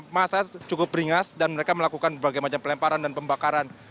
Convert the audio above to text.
masa cukup ringas dan mereka melakukan berbagai macam pelemparan dan pembakaran